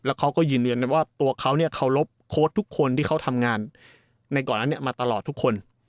เขาก็ยืนยันว่าตัวเขาเนี่ยเคารพโค้ดทุกคนที่เขาทำงานในก่อนนั้นมาตลอดทุกคน